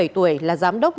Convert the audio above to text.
bốn mươi bảy tuổi là giám đốc